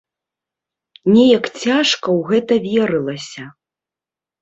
Неяк цяжка ў гэта верылася.